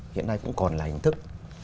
hiện nay cũng còn là hình thức